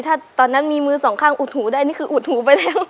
ถ้าตอนนั้นมีมือสองข้างอุดหูได้นี่คืออุดหูไปแล้ว